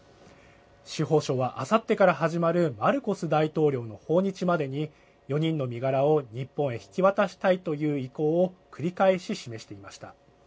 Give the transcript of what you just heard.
司法省はあさってから始まるマルコス大統領の訪日までに、４人の身柄を日本へ引き渡したいという意向を繰り返し示していました。